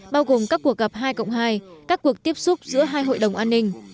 bao gồm các cuộc gặp hai cộng hai các cuộc tiếp xúc giữa hai hội đồng an ninh